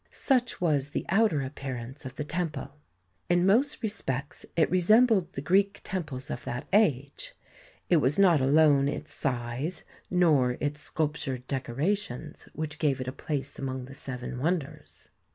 Such was the outer appearance of the temple. In most respects it resembled the Greek temples of that age. It was not alone its size, nor its sculptured decorations, which gave it a place among the seven wonders.